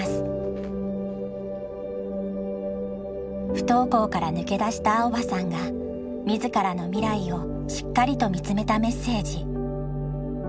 不登校から抜け出した蒼葉さんが自らの未来をしっかりと見つめたメッセージ。